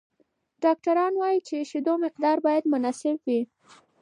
ډاکټران وايي، د شیدو مقدار باید مناسب وي.